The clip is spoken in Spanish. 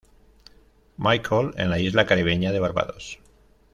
Michael, en la isla caribeña de Barbados.